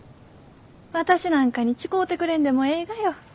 私なんかに誓うてくれんでもえいがよ。